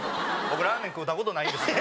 僕ラーメン食うた事ないんですよ。